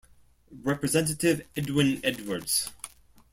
Representative Edwin Edwards.